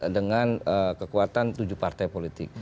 dengan kekuatan tujuh partai politik